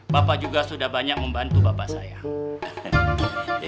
bapak juga sudah banyak membantu bapak saya